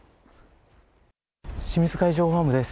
清水海上本部です。